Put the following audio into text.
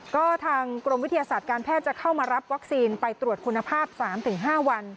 ก็ทางกรมวิทยาศาสตร์การแพทย์จะเข้ามารับวัคซีนไปตรวจคุณภาพ๓๕วัน